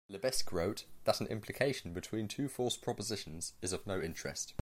Lebesgue wrote that an implication between two false propositions is of no interest.